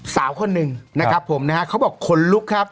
สาวคนหนึ่งนะครับผมนะฮะเขาบอกขนลุกครับ